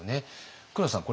黒田さん